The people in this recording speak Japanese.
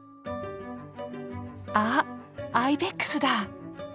あアイベックスだ！